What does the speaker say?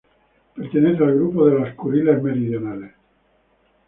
Pertenece al grupo de las Kuriles meridionales.